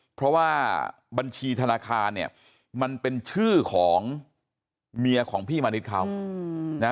เพราะว่าบัญชีธนาคารเนี่ยมันเป็นชื่อของเมียของพี่มณิชย์เขานะ